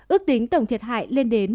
ước tính tổng thiệt hại lên đến